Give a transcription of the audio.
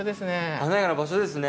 華やかな場所ですね。